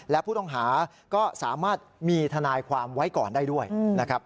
และผู้ต้องหาก็สามารถมีทนายความไว้ก่อนได้ด้วยนะครับ